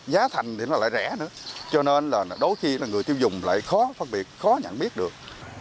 giá thành thì nó lại rẻ nữa cho nên là đôi khi là người tiêu dùng lại khó phân biệt khó nhận biết được